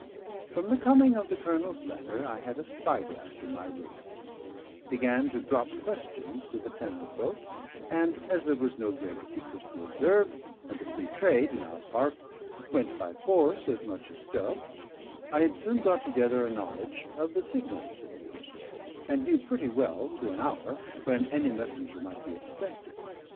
From the coming of the Colonel's letter, I had a spyglass in my room, began to drop questions to the tenant folk, and as there was no great secrecy observed, and the free trade (in our part) went by force as much as stealth, I had soon got together a knowledge of the signals in use, and knew pretty well to an hour when any messenger might be expected.